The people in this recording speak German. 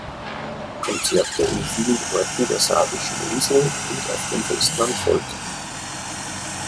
Konzerte in vielen Orten der sardischen Insel und auf dem Festland folgten.